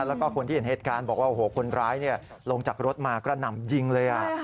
แล้วก็คนที่เห็นเหตุการณ์บอกว่าโอ้โหคนร้ายลงจากรถมากระหน่ำยิงเลย